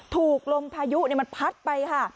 ถูกลงพายุเนี่ยมันพัดไปค่ะ